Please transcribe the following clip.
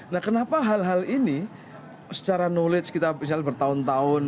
nah kenapa hal hal ini secara knowledge kita misalnya bertahun tahun